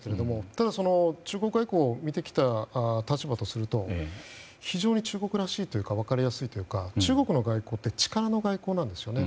ただ、中国外交を見てきた立場とすると非常に中国らしいというか分かりやすいというか中国の外交は力の外交なんですね。